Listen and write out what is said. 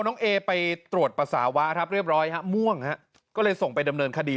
น้องเอไปตรวจปัสสาวะครับเรียบร้อยฮะม่วงฮะก็เลยส่งไปดำเนินคดี